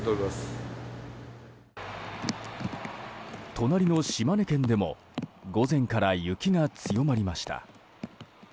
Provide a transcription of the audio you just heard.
隣の島根県でも午前から雪が強まりました。